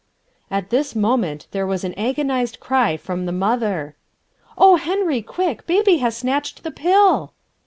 At this moment there was an agonized cry from the mother. "Oh, Henry, quick! Baby has snatched the pill!"